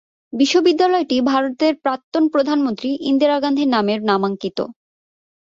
বিশ্ববিদ্যালয়টি ভারতের প্রাক্তন প্রধানমন্ত্রী ইন্দিরা গান্ধীর নামে নামাঙ্কিত।